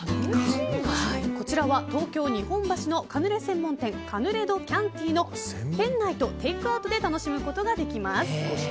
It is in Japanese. こちらは東京・日本橋のカヌレ専門店カヌレドキャンティの店内とテイクアウトで楽しむことができます。